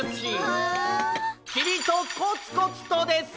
「きみとコツコツと」です。